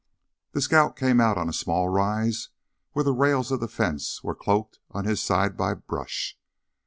The scout came out on a small rise where the rails of the fence were cloaked on his side by brush.